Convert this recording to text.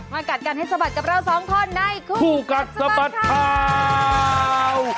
กัดกันให้สะบัดกับเราสองคนในคู่กัดสะบัดข่าว